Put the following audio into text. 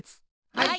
はい。